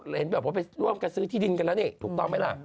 เห็นแบบว่าไปร่วมกันซื้อที่ดินกันแล้วนี่ถูกต้องไหมล่ะ